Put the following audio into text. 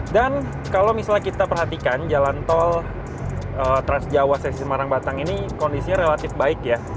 dan kalau misalnya kita perhatikan jalan tol transjawa sesi semarang batang ini kondisinya relatif baik ya